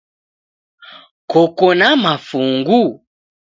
Koko na mafungu?